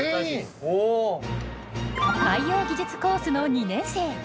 海洋技術コースの２年生。